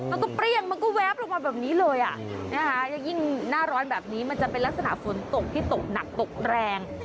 แล้วก็เปรี้ยงมันก็แวบลงมาแบบนี้เลยยิ่งหน้าร้อนแบบนี้มันจะเป็นลักษณะฝนตกที่ตกหนักตกแรง